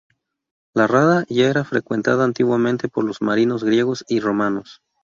La rada ya era frecuentada antiguamente por los marinos griegos y romanos.